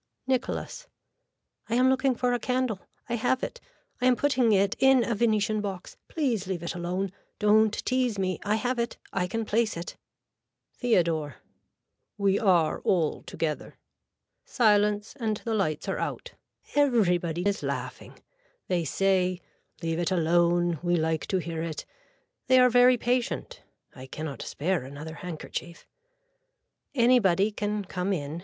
(Nicholas.) I am looking for a candle. I have it. I am putting it in a Venetian box. Please leave it alone. Don't tease me. I have it. I can place it. (Theodore.) We are altogether. Silence and the lights are out. Everybody is laughing. They say (Leave it alone. We like to hear it.) They are very patient. (I cannot spare another handkerchief.) Anybody can come in.